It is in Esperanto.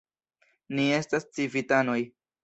Ni estas civitanoj.